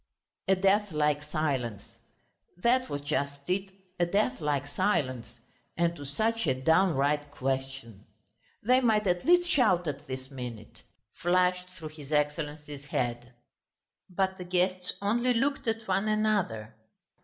A deathlike silence. That was just it, a deathlike silence, and to such a downright question. "They might at least shout at this minute!" flashed through his Excellency's head. But the guests only looked at one another.